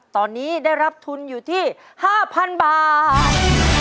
ตอนนี้ได้รับทุนอยู่ที่๕๐๐๐บาท